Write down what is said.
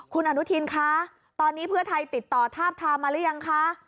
คุณอนุทินคะตอนนี้เพื่อไทยติดต่อทาบทามมาหรือยังคะ